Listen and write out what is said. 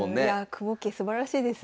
久保家すばらしいですね。